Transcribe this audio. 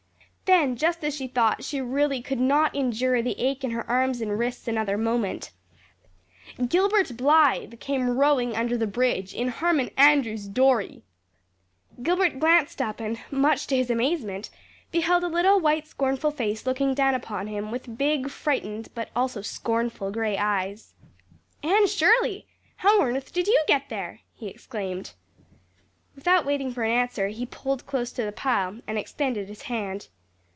Then, just as she thought she really could not endure the ache in her arms and wrists another moment, Gilbert Blythe came rowing under the bridge in Harmon Andrews's dory! Gilbert glanced up and, much to his amazement, beheld a little white scornful face looking down upon him with big, frightened but also scornful gray eyes. "Anne Shirley! How on earth did you get there?" he exclaimed. Without waiting for an answer he pulled close to the pile and extended his hand.